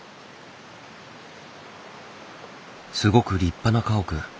すごく立派な家屋。